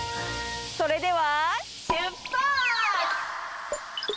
それでは、出発！